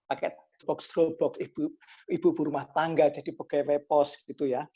pakai box to box ibu ibu rumah tangga jadi pgp pos gitu ya